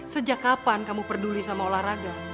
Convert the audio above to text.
sejak kapan kamu peduli sama olahraga